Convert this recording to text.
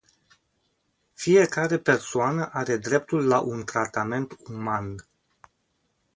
Fiecare persoană are dreptul la un tratament uman.